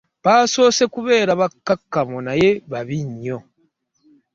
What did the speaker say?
Basoose kubeera bakkakkamu naye babi nnyo.